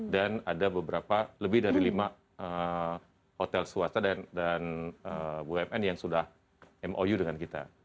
dan ada beberapa lebih dari lima hotel swasta dan bumn yang sudah mou dengan kita